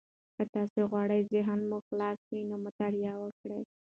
که تاسي غواړئ ذهن مو خلاص وي، نو مطالعه وکړئ.